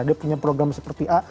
dia punya program seperti